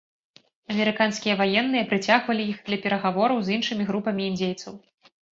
Амерыканскія ваенныя прыцягвалі іх для перагавораў з іншымі групамі індзейцаў.